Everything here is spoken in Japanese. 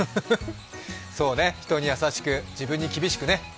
そうね、人に優しく、自分に厳しくね。